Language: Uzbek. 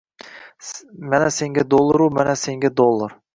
Mana senga dollaru, ana senga dollar